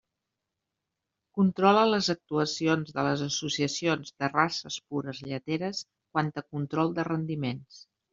Controla les actuacions de les associacions de races pures lleteres quant a control de rendiments.